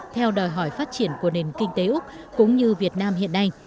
theo đòi hỏi phát triển của nền kinh tế úc cũng như việt nam hiện nay